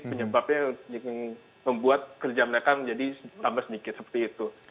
penyebabnya membuat kerja mereka menjadi tambah sedikit seperti itu